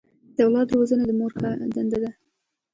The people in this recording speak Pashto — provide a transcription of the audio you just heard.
د اولاد روزنه د مور دنده ده.